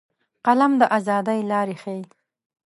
قلم د ازادۍ لارې ښيي